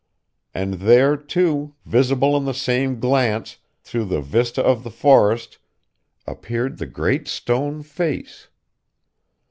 And there, too, visible in the same glance, through the vista of the forest, appeared the Great Stone Face!